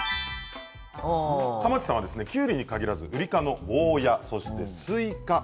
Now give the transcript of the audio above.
蒲池さんは、きゅうりに限らずウリ科のゴーヤーやスイカ